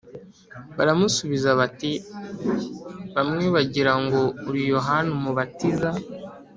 Baramusubiza bati “Bamwe bagira ngo uri Yohana Umubatiza,